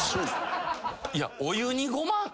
いやお湯にゴマ？